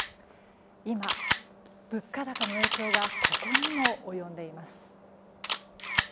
今、物価高の影響がここにも及んでいます。